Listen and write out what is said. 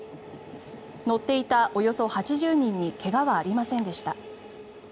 乗っていたおよそ８０人に怪我はありませんでした。